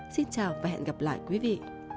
xin chào và hẹn gặp lại quý vị